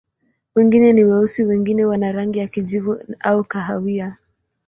Wengine ni weusi, wengine wana rangi ya kijivu au kahawia.